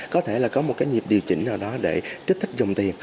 có thể là có một cái nhịp điều chỉnh nào đó để kích thích dòng tiền